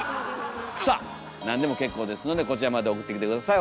さあなんでも結構ですのでこちらまで送ってきて下さい。